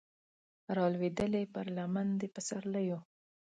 رالویدلې پر لمن د پسرلیو